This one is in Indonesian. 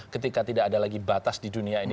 ketika tidak ada lagi batas di dunia ini